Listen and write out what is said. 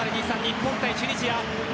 日本対チュニジア。